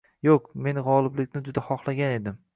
Yoʻq, men gʻoliblikni juda xohlagan edim